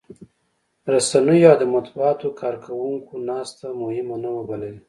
رسنيو او د مطبوعاتو کارکوونکو ناسته مهمه نه وه بللې.